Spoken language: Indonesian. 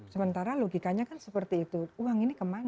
sementara logikanya kan seperti itu uang ini kemana